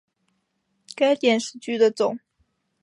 该电视剧的总导演为成浩。